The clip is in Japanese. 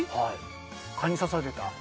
蚊に刺された回数。